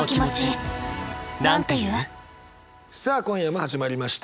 さあ今夜も始まりました。